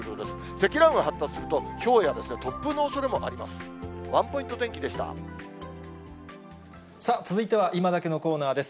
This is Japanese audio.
積乱雲が発達すると、ひょうや突風のおそれもあります。